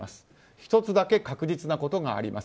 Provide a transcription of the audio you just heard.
１つだけ確実なことがあります。